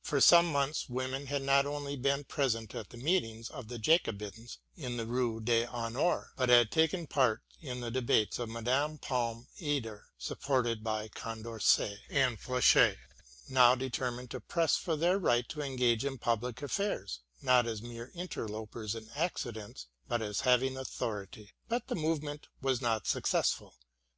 For some months women had not only been present at the meetings of the Jacobins in the Rue St. Honore, but had taken part in the debates, and Madame Palm Aedler, supported by Condorcet and Fauchet, now determined to press for their right to engage in public affairs, not as mere interlopers and accidents, but as having authority. But the movement was not successful.